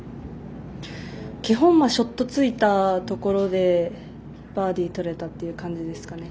基本ショットついたところでバーディーとれたという感じですかね。